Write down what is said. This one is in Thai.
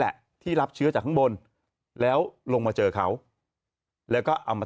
แหละที่รับเชื้อจากข้างบนแล้วลงมาเจอเขาแล้วก็เอามา